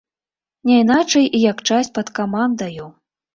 Не іначай як часць пад камандаю!